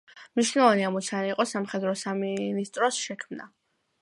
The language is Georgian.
მნიშვნელოვანი ამოცანა იყო სამხედრო სამინისტროს შექმნა.